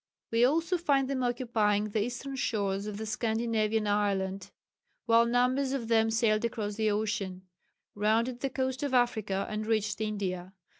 We also find them occupying the eastern shores of the Scandinavian island, while numbers of them sailed across the ocean, rounded the coast of Africa, and reached India.